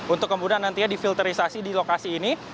untuk kemudian nantinya difilterisasi di lokasi ini